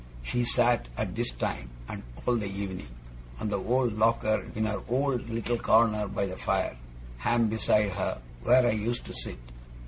She sat, at this time, and all the evening, on the old locker in her old little corner by the fire Ham beside her, where I used to sit.